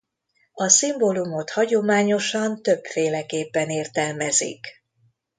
A szimbólumot hagyományosan többféleképpen értelmezik.